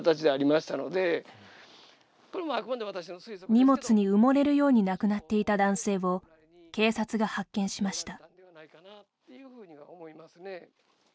荷物に埋もれるように亡くなっていた男性を警察が発見しました。